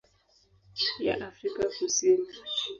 ya Afrika Kusini.